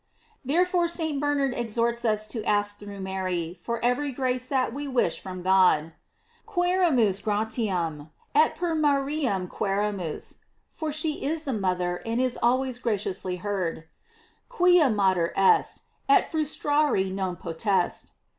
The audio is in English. Therefore St. Bernard exhorts us to ask through Mary for every grace that we wish from God: " Quaerarnus gratiam, et per Mariam quse ramus;" for she is the mother, and is always graciously heard: "Quia mater est, et frustrari non potest."